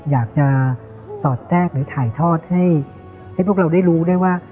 อยากจะสอดแทรกหรือถ่ายทอดให้พวกเราได้รู้ด้วยว่า